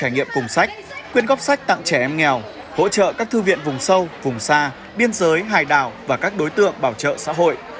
trải nghiệm cùng sách quyên góp sách tặng trẻ em nghèo hỗ trợ các thư viện vùng sâu vùng xa biên giới hải đảo và các đối tượng bảo trợ xã hội